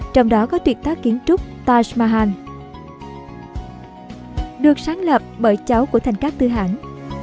trong đó có tuyệt tác kiến trúc taj mahal được sáng lập bởi cháu của thành các tư hãng